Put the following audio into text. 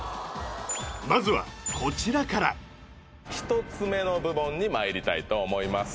まずはこちらから１つ目の部門にまいりたいと思います